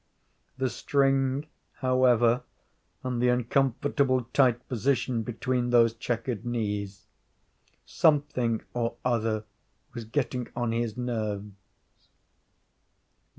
The string, however, and the uncomfortable, tight position between those chequered knees something or other was getting on his nerves.